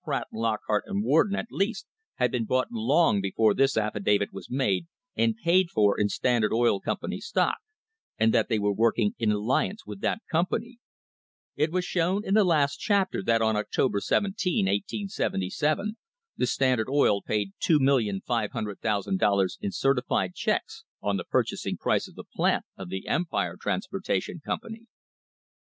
Pratt, Lockhart and Warden, at least, had been bought long before this affidavit was made, and paid for in Standard Oil Com pany stock, and that they were working in alliance with that company. It was shown in the last chapter that on October l 7> l %77, tne Standard Oil Company paid $2,500,000 in certi fied checks on the purchasing price of the plant of the Empire Transportation Company.